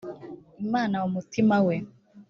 imana mu mutima we